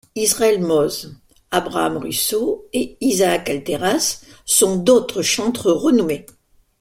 Israël Mose, Abraham Russo et Isaac Alteras sont d'autres chantres renommés.